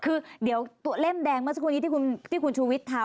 คือเดี๋ยวตัวเล่มแดงเมื่อสักครู่นี้ที่คุณชูวิทย์ทำ